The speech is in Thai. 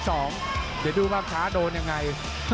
เดี๋ยวดูภาพช้าโดนยังไง